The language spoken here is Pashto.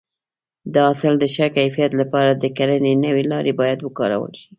د حاصل د ښه کیفیت لپاره د کرنې نوې لارې باید وکارول شي.